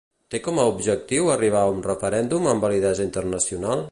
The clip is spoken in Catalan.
Té com a objectiu arribar a un referèndum amb validesa internacional?